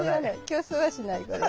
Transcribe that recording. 競争はしないこれ。